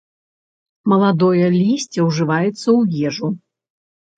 Маладое лісце ўжываецца ў ежу.